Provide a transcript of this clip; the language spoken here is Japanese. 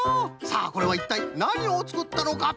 さあこれはいったいなにをつくったのか？